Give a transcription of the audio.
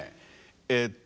えっと